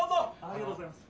ありがとうございます。